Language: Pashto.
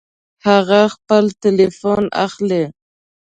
هغه خپل ټيليفون اخلي